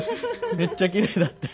めっちゃきれいだったよ。